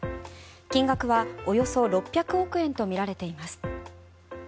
金額はおよそ６００億円とみられています。